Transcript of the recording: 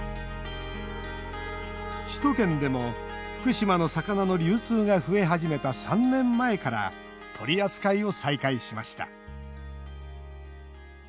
首都圏でも福島の魚の流通が増え始めた３年前から取り扱いを再開しました。